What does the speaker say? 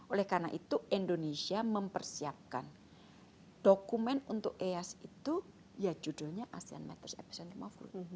oleh karena itu indonesia mempersiapkan dokumen untuk eas itu ya judulnya asean matters epicentrum of group